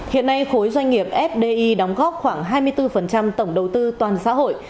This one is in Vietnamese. hiện nay khối doanh nghiệp fdi đóng góp khoảng hai mươi bốn tổng đầu tư toàn xã hội